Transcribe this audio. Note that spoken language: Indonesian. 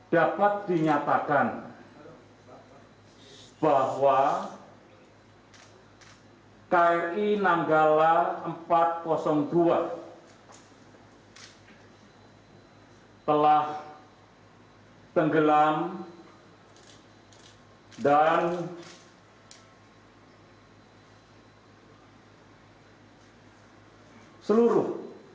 dapat dinyatakan bahwa kri nanggala empat ratus dua telah tenggelam dan seluruh